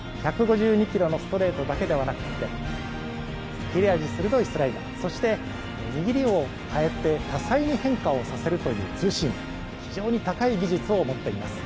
１５２キロのストレートだけではなくて切れ味鋭いストレート、そして握りを変えて多彩に変化をさせるというツーシーム、非常に高い技術を持っています。